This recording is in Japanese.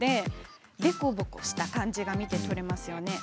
凸凹した感じが見てとれます。